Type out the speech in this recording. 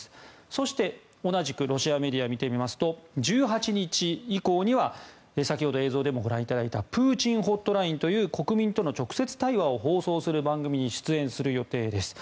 そして、同じくロシアメディアを見てみますと１８日以降には先ほど映像でもご覧いただいた「プーチン・ホットライン」という国民との直接対話を放送する番組に出演する予定です。